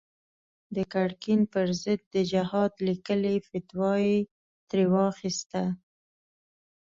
د ګرګين پر ضد د جهاد ليکلې فتوا يې ترې واخيسته.